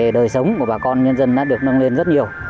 đời sống của bà con nhân dân đã được nâng lên rất nhiều